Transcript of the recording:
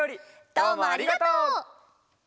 どうもありがとう！